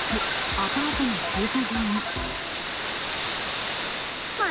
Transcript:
アパートの駐車場に。